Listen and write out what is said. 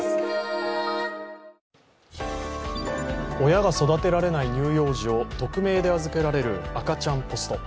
親が育てられない乳幼児を匿名で預けられる赤ちゃんポスト。